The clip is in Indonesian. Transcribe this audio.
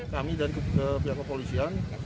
kami dan pihak kepolisian